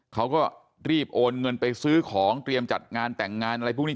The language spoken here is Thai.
เขาก็รีบโอนเงินไปซื้อของเตรียมจัดงานแต่งงานอะไรพวกนี้